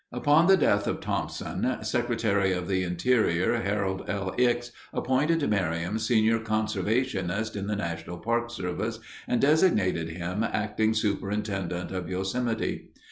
Upon the death of Thomson, Secretary of the Interior Harold L. Ickes appointed Merriam Senior Conservationist in the National Park Service and designated him Acting Superintendent of Yosemite.